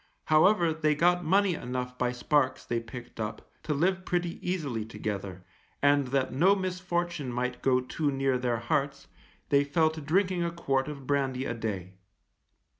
However they got money enough by sparks they picked up to live pretty easily together, and that no misfortune might go too near their hearts, they fell to drinking a quart of brandy a day.